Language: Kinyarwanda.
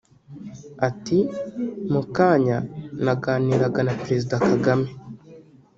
Ati “Mu kanya naganiraga na Perezida Kagame